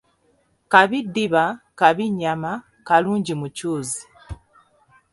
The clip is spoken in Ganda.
Kabi ddiba kabi nnyama kalungi mucuuzi.